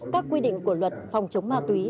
các quy định của luật phòng chống ma túy